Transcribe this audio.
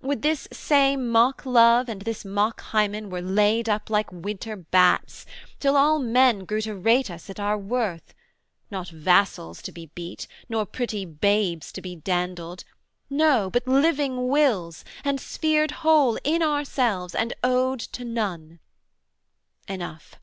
Would this same mock love, and this Mock Hymen were laid up like winter bats, Till all men grew to rate us at our worth, Not vassals to be beat, nor pretty babes To be dandled, no, but living wills, and sphered Whole in ourselves and owed to none. Enough!